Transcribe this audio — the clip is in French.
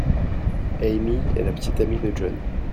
Amy est la petite amie de John.